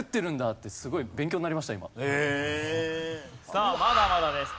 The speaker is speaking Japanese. さあまだまだです。